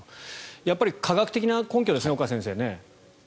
やっぱり科学的な根拠ですね岡先生。